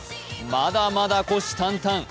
まだまだ虎視眈々。